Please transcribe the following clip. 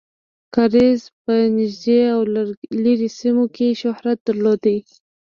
کاریز په نږدې او لرې سیمو کې شهرت درلود.